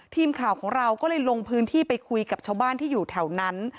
ทีมข่าวของเราก็เลยลงพื้นที่ไปคุยกับชาวบ้านที่อยู่แถวนั้น